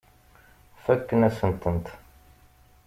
Fakken-asent-tent.